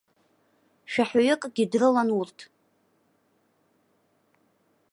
Шәаҳәаҩыкгьы дрылан урҭ.